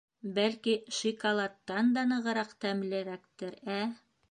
— Бәлки, шикалаттан да нығыраҡ тәмлерәктер, ә!